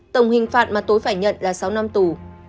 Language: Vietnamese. tổng hình phạt mà tối phải nhận là sáu năm tù